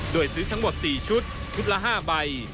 โดยซื้อทั้งหมด๔ชุดชุดละ๕ใบ